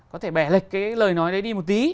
có thể bẻ lệch cái lời nói đấy đi một tí